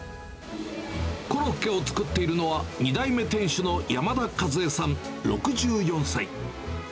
コロッケを作っているのは、２代目店主の山田和枝さん６４歳。